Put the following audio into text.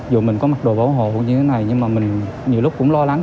dù mình có mặc đồ bảo hộ như thế này nhưng mà mình nhiều lúc cũng lo lắng